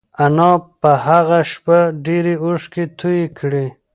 انا په هغه شپه ډېرې اوښکې تویې کړې.